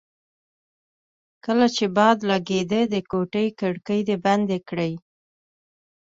کله چې باد لګېده د کوټې کړکۍ دې بندې کړې.